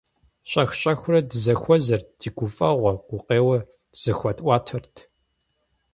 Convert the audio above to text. Щӏэх-щӏэхыурэ дызэхуэзэрт, ди гуфӀэгъуэ, гукъеуэ зэхуэтӀуатэрт.